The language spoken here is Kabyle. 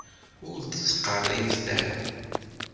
Ur d-ttqerribet ara.